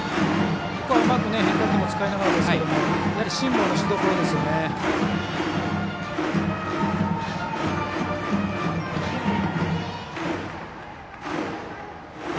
うまく変化球も使いながらですけどやはり辛抱のしどころですよね。